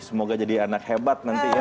semoga jadi anak hebat nanti ya